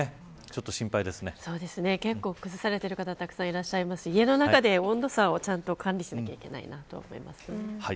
そうですね、結構崩されている方たくさんいらっしゃいますし、家の中で温度差をちゃんと管理しないといけないなと思います。